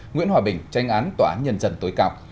nguyễn hòa bình tranh án tòa án nhân dân tối cao